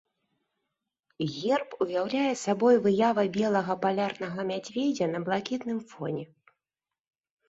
Герб уяўляе сабой выява белага палярнага мядзведзя на блакітным фоне.